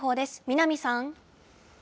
南さん。